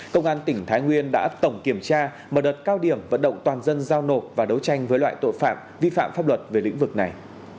công an tỉnh thái nguyên đã tổng kiểm tra mở đợt cao điểm vận động toàn dân giao nộp và đấu tranh với loại tội phạm vi phạm pháp luật về lĩnh vực này